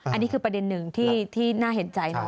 อันนี้คือประเด็นหนึ่งที่น่าเห็นใจนะ